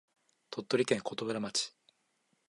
鳥取県琴浦町